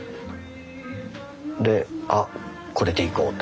で「あっこれでいこう」と。